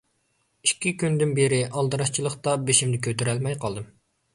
ئىككى كۈندىن بېرى ئالدىراشچىلىقتا بېشىمنى كۆتۈرەلمەي قالدىم.